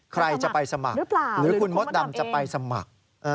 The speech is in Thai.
ใครจะไปสมัครหรือคุณมดดำจะไปสมัคร